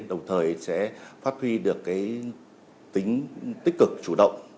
đồng thời sẽ phát huy được tính tích cực chủ động